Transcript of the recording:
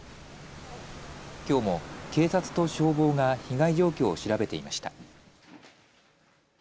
きょうも警察と消防が被害状況を調べていました。